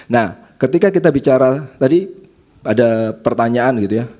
nah ketika kita bicara tadi ada pertanyaan gitu ya